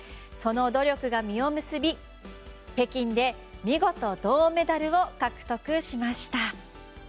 その努力が実を結び北京で見事銅メダルを獲得しました。